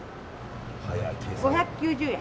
５９０円。